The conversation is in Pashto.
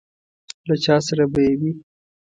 له چا سره به یې وي.